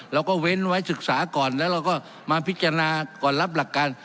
เว้นไว้ศึกษาก่อนแล้วเราก็มาพิจารณาก่อนรับหลักการ